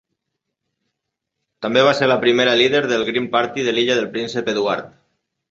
També va ser la primera líder del Green Party de l'Illa del Príncep Eduard.